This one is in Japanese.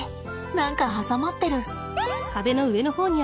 何か挟まってる。